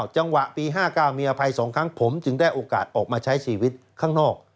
จังหวะปี๕๙มีอภัย๒ครั้งผมจึงได้โอกาสออกมาใช้ชีวิตข้างนอก